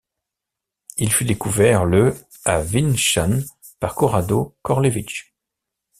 Il fut découvert le à Visnjan par Korado Korlević.